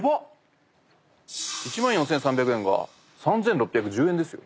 １万４，３００円が３，６１０円ですよ。